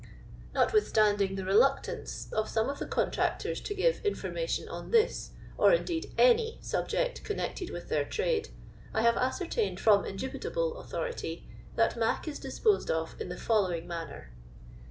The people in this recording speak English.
JWotwithataading Iha JwlnBtanwi of some of the LONDON LABOUR AND THE LONDON POOR, 199 contractors to give information on this, or indeed any subject connected with their trade, I have ascertained from indubitable authority, that "mac*' is disposed of in the following manner.